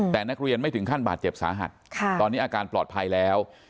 แต่นักเรียนไม่ถึงขั้นบาดเจ็บสาหัสตอนนี้อาการปลอดภัยแล้ว